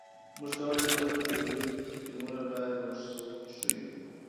موږ کولی شو خلکو ته د ویډیو ګیمونو لارې وښیو